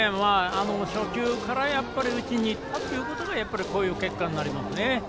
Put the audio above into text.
初球から打ちにいったことがいい結果になりますね。